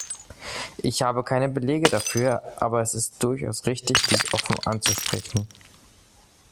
Ich habe keine Belege dafür, aber es ist durchaus richtig, dies offen anzusprechen.